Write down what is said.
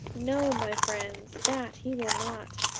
No, my friends, that he will not.